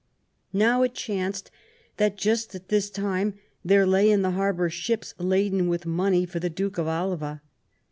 Now it chanced that, just at this time, there lay in the harbour ships laden with money for the Duke of Alva.